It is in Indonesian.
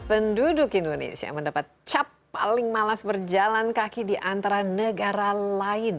penduduk indonesia mendapat cap paling malas berjalan kaki di antara negara lain